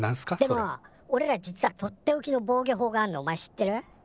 でもおれら実はとっておきの防ぎょ法があんのおまえ知ってる？